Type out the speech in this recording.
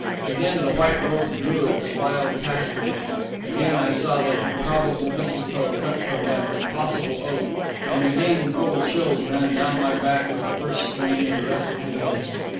Again the white robed Druids filed past me, again I saw that improbable mistletoe cut from that impossible oak, and again cold chills ran down my back with the first strain of the recitative.